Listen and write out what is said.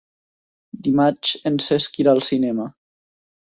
Dimarts en Cesc irà al cinema.